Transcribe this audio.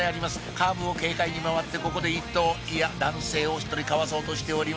カーブを軽快に回ってここで１頭いや男性を１人かわそうとしております